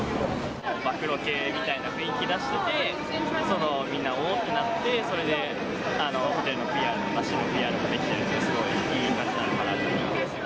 暴露系みたいな雰囲気出してて、みんな、おっ？ってなって、それでホテルのＰＲできてるならいいんじゃないのかなと思いますね。